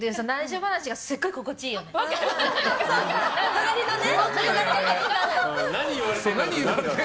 隣のね。